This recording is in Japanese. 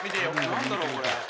「なんだろう？これ。